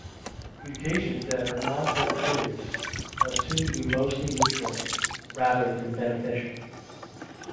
Mutations that are not deleterious are assumed to be mostly neutral rather than beneficial.